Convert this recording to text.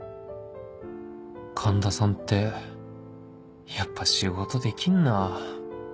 環田さんってやっぱ仕事できるな